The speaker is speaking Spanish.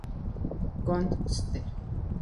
Con St.